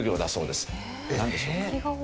なんでしょう？